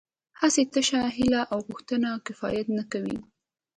هسې تشه هیله او غوښتنه کفایت نه کوي